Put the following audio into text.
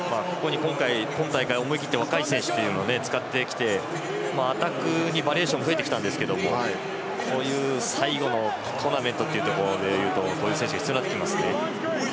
今大会思い切って若い選手を使ってきてアタックにバリエーションが増えてきたんですがこういう最後のトーナメントというところだとこういう選手が必要になってきますね。